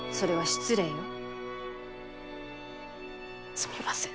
すみません。